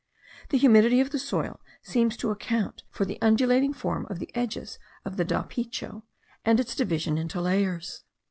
The humidity of the soil seems to account for the undulating form of the edges of the dapicho, and its division into layers.